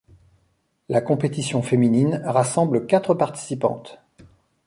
La compétition féminine rassemble quatre participantes.